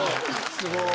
すごーい。